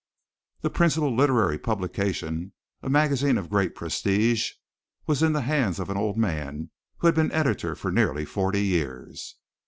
The principal literary publication, a magazine of great prestige, was in the hands of an old man who had been editor for nearly forty years.